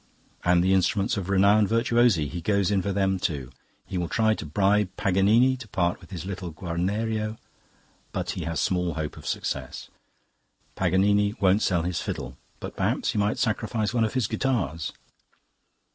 And the instruments of renowned virtuosi he goes in for them too; he will try to bribe Paganini to part with his little Guarnerio, but he has small hope of success. Paganini won't sell his fiddle; but perhaps he might sacrifice one of his guitars.